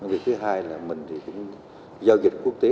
vì thứ hai là mình thì cũng do dịch quốc tế